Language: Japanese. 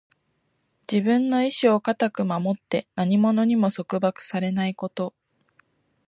自分の意志を固く守って、何者にも束縛されないこと。